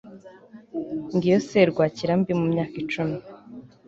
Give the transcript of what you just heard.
ngiyo serwakira mbi mumyaka icumi